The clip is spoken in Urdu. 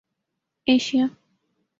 ایشیا